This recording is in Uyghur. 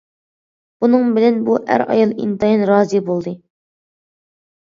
بۇنىڭ بىلەن، بۇ ئەر- ئايال ئىنتايىن رازى بولدى.